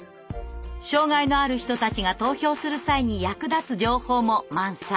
障害のある人たちが投票する際に役立つ情報も満載。